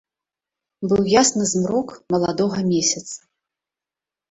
Быў ясны змрок маладога месяца.